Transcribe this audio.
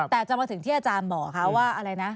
แต่จำเป็นถึงที่อาจารย์บอกเขาว่าอะไรนะ